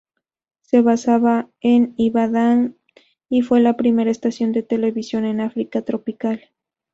Se basaba en Ibadan y fue la primera estación de televisión en África tropical.